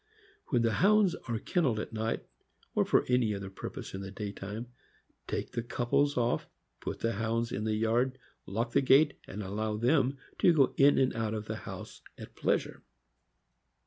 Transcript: When the Hounds are kenneled at night, or for any purpose in the day time, take the couples off, put the Hounds in the yard, lock the gate, and allow them to go in and out of the house at pleasure.